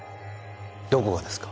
どこがですか？